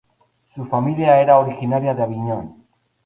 Su familia era originaria de Avignon.